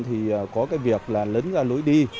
thì có cái việc là lấn ra lối đi